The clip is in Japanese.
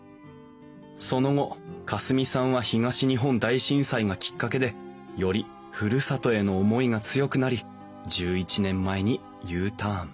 その後夏澄さんは東日本大震災がきっかけでよりふるさとへの思いが強くなり１１年前にＵターン。